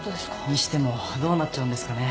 にしてもどうなっちゃうんですかね